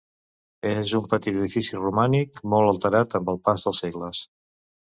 És un petit edifici romànic molt alterat amb el pas dels segles.